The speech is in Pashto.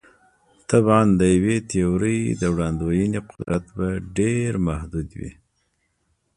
طبعاً د یوې تیورۍ د وړاندوینې قدرت به ډېر محدود وي.